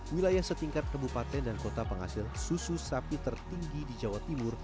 wilayah setingkat kebupaten dan kota penghasil susu sapi tertinggi di jawa timur